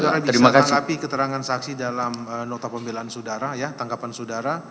nanti saudara bisa menganggapi keterangan saksi dalam nota pembelahan saudara ya tangkapan saudara